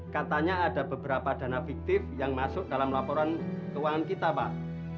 katanya ada beberapa dana fiktif yang masuk dalam laporan keuangan kita pak